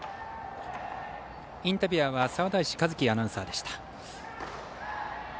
インタビュアーは沢田石和樹アナウンサーでした。